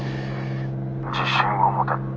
「自信を持て」。